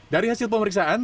dari hasil pemeriksaan